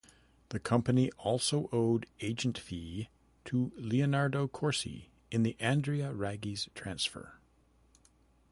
The company also owed agent fee to Leonardo Corsi in the Andrea Raggi's transfer.